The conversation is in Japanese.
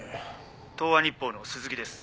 東和日報の鈴木です。